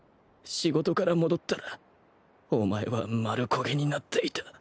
仕事から戻ったらお前は丸焦げになっていた